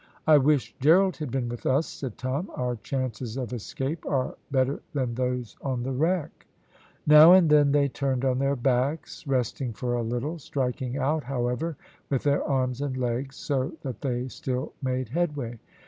"I wish Gerald had been with us," said Tom. "Our chances of escape are better than those on the wreck." Now and then they turned on their backs, resting for a little; striking out, however, with their arms and legs, so that they still made headway.